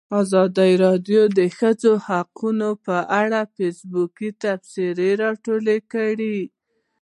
ازادي راډیو د د ښځو حقونه په اړه د فیسبوک تبصرې راټولې کړي.